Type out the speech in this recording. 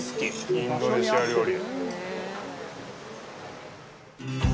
インドネシア料理。